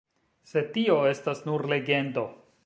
Sed tio estas nur legendo.